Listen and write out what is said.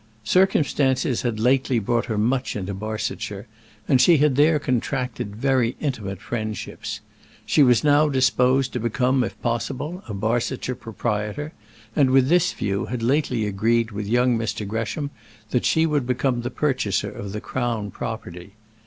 Circumstances had lately brought her much into Barsetshire and she had there contracted very intimate friendships. She was now disposed to become, if possible, a Barsetshire proprietor, and with this view had lately agreed with young Mr. Gresham that she would become the purchaser of the Crown property.